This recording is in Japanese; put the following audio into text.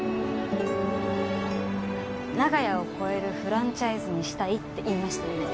長屋を超えるフランチャイズにしたいって言いましたよね。